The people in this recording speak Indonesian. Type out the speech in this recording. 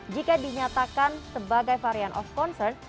jika dinyatakan sebagai varian of concern